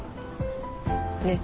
ねっ。